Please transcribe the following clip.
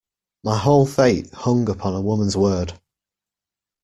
My whole fate hung upon a woman's word.